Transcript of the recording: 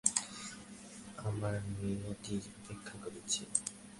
আমার নিয়তি অপেক্ষা করছে।